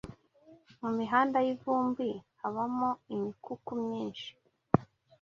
mu mihanda y’ivumbi habamo imikuku myinshi